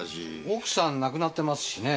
奥さん亡くなってますしね。